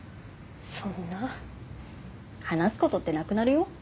そんな話すことってなくなるよ